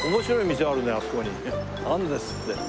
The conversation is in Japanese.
「あんです」って。